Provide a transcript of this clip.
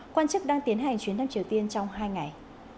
quan chức đang tiến hành chuyến thăm triều tiên trong hai ngày